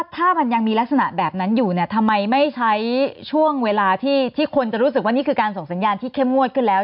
ถ้ามันยังมีลักษณะแบบนั้นอยู่เนี่ยทำไมไม่ใช้ช่วงเวลาที่คนจะรู้สึกว่านี่คือการส่งสัญญาณที่เข้มงวดขึ้นแล้ว